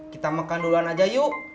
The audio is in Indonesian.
kita makan duluan aja yuk